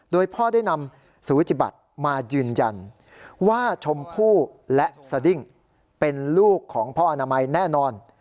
โดยพ่อได้นำสูจิบัติมายืนยันว่าชมพู่และสดิ้งเป็นลูกของพ่ออนามัยแน่นอน